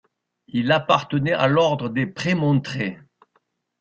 Il appartenait à l’ordre des Prémontrés.